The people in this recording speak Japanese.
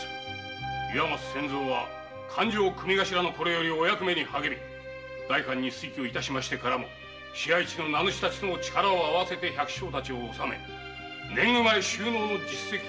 岩松千蔵は勘定組頭のころよりお役目に励み代官に推挙いたしましてからも支配地の名主たちと力を合わせ百姓たちを治め年貢米収納の実績をあげておりました。